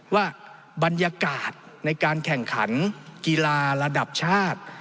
ว่าบรรยากาศในการแข่งขันกีฬาระดับชาติ